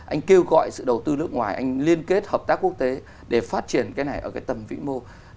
anh kêu gọi sự đầu tư nước ngoài anh liên kết hợp tác quốc tế để phát triển cái này ở cái tầm vĩ mô